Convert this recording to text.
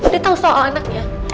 dia tau soal anaknya